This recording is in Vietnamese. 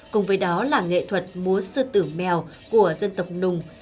cùng với đó là nghệ thuật múa sư tử mèo của dân tộc nùng